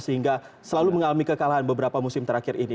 sehingga selalu mengalami kekalahan beberapa musim terakhir ini